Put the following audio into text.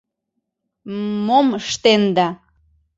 М... мом ыштенда?